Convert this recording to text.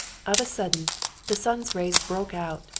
Of a sudden, the sun's rays broke out.